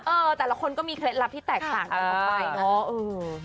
แต่ละคนก็มีเคล็ดลับที่แตกต่างกันออกไปเนอะ